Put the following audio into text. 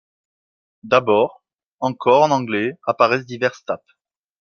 D'abord encore en anglais apparaissent diverses tapes.